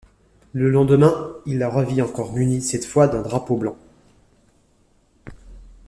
Le lendemain, il la revit encore munie cette fois d'un drapeau blanc.